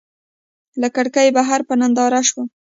له کړکۍ بهر په ننداره شوم.